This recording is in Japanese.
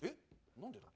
何でだ？